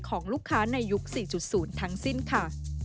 ของลูกค้าในยุค๔๐ทั้งสิ้นค่ะ